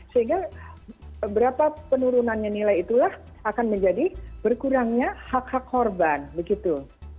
sehingga berapa penurunannya nilai itulah akan menjadi berkurangnya hak hak korban begitu